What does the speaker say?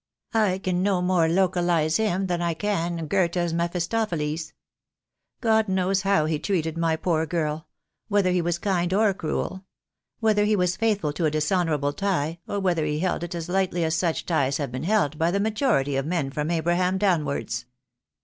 I can no more localize him than I can Goethe's Mephis topheles. God knows how he treated my poor girl — whether he was kind or cruel; whether he was faithful to a dishonourable tie, or whether he held it as lightly as such ties have been held by the majority of men from Abraham downwards."